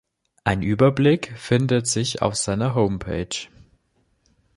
Einen Überblick findet sich auf seiner Homepage.